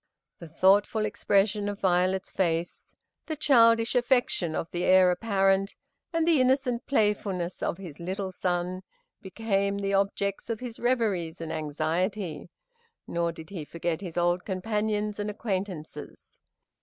The thoughtful expression of Violet's face, the childish affection of the Heir apparent, and the innocent playfulness of his little son, became the objects of his reveries and anxiety, nor did he forget his old companions and acquaintances.